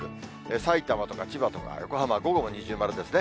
さいたまとか千葉とか横浜、午後も二重丸ですね。